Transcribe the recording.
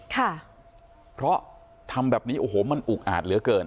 ค่ะเพราะทำแบบนี้โอ้โหมันอุกอาจเหลือเกิน